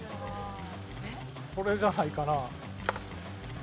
これじゃないかな？